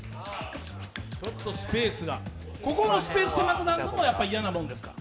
ちょっとスペースが、ここのスペース狭くなるのも嫌なもんですか？